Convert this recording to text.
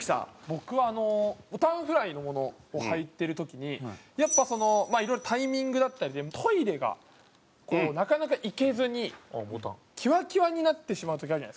僕はあのボタンフライのものを穿いてる時にやっぱそのいろいろタイミングだったりでトイレがこうなかなか行けずにきわきわになってしまう時あるじゃないですか。